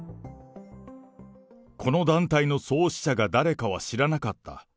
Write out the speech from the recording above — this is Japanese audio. この団体の創始者が誰かは知らなかった。